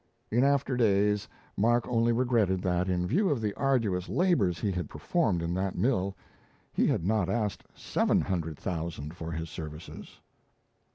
In after days, Mark only regretted that, in view of the arduous labours he had performed in that mill, he had not asked seven hundred thousand for his services!